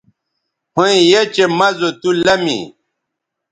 ھویں یھ چہء مَزو تُو لمی